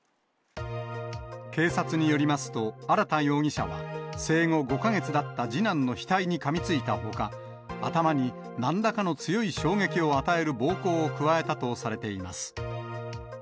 警察によりますと、荒田容疑者は生後５か月だった次男の額にかみついたほか、頭になんらかの強い衝撃を与える暴行を加えたとされています。